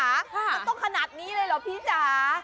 มันต้องขนาดนี้เลยเหรอพี่จ๋า